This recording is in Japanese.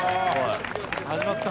始まった。